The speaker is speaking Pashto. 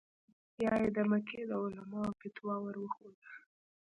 بیا یې د مکې د علماوو فتوا ور وښوده.